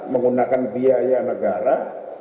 menggunakan biaya negara